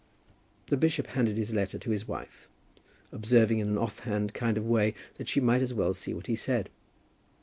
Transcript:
The bishop handed his letter to his wife, observing in an off hand kind of way that she might as well see what he said.